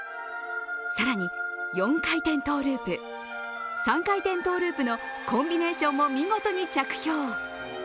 更に４回転トゥループ、３回転トゥループのコンビネーションも見事に着氷。